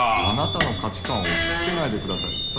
あなたの価値観を押しつけないでください。